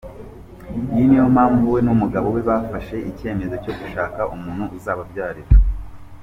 Iyi ni yo mpamvu we n’umugabo we bafashe icyemezo cyo gushaka umuntu uzababyarira.